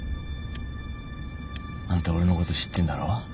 あんた俺のこと知ってんだろ？